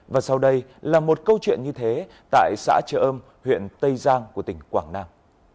và sau đây là một câu chuyện như thế tại xã chợ âm huyện tây giang của tỉnh quảng nam